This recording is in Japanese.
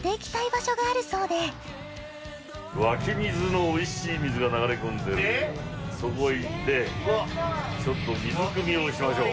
ちょっと湧き水のおいしい水が流れ込んでるそこへ行ってちょっと水くみをしましょう。